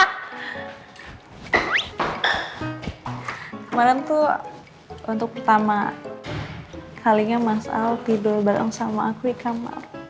kemaren tuh untuk pertama kalinya mas al tidur bareng sama aku ikan malam